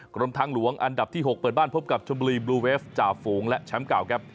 กรมทางหลวงอันดับที่๖เปิดบ้านพบกับชมบุรีบลูเวฟจ่าฝูงและแชมป์เก่าครับ